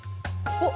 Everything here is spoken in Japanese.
おっ！